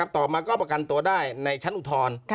ต่อมาก็ประกันตัวได้ในชั้นอุทธรณ์